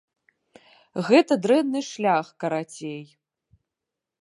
Гэта дрэнны шлях, карацей.